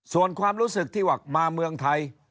ส่วนความรู้สึกที่ว่ามาเมืองไทย